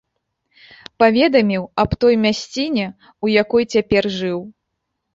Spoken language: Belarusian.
Паведаміў аб той мясціне, у якой цяпер жыў.